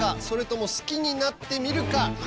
それとも好きになってみるか？